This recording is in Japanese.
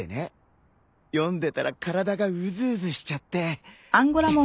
読んでたら体がうずうずしちゃって。